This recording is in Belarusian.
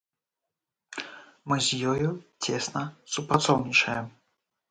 Мы з ёю цесна супрацоўнічаем.